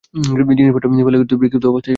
জিনিসপত্র ফেলে বিক্ষিপ্ত অবস্থায় সকলেই পলায়ন করে।